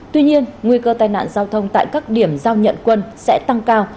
tuy nhiên nguy cơ tai nạn giao thông tại các điểm giao nhận quân sẽ tăng cao